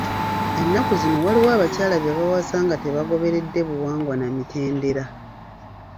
Ennaku zino waliwo abakyala be bawasa nga tebagoberedde buwangwa na mitendera.